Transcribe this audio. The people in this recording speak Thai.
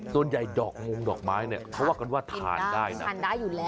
ส่วนใหญ่ดอกมงดอกไม้เนี่ยเขากำลังว่าทานได้แน่